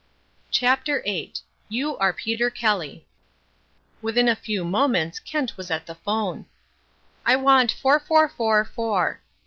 CHAPTER VIII YOU ARE PETER KELLY Within a few moments Kent was at the phone. "I want four, four, four, four.